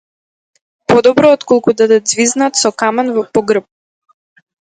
Подобро отколку да те ѕвизнат со камен по грб.